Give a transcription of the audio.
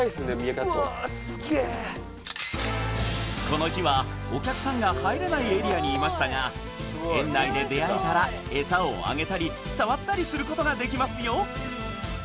この日はお客さんが入れないエリアにいましたが園内で出会えたらエサをあげたり触ったりすることができますよ